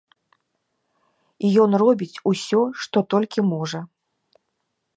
Ён робіць усё, што толькі можа.